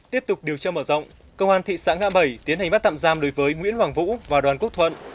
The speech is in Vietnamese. tiếp tục điều tra mở rộng công an thị xã ngã bảy tiến hành bắt tạm giam đối với nguyễn hoàng vũ và đoàn quốc thuận